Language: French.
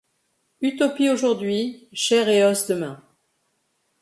Utopie aujourd’hui, chair et os demain.